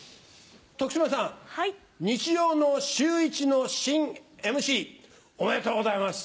徳島さん日曜の『シューイチ』の新ＭＣおめでとうございます。